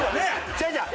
違う違う！